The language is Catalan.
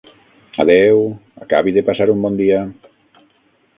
Adéu, acabi de passar un bon dia.